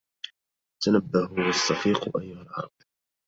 تنبهوا واستفيقوا أيها العرب